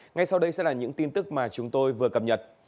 ngay sau đây sẽ là những tin tức mà chúng tôi vừa cập nhật